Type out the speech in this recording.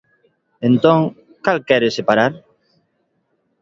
Entón, ¿cal quere separar?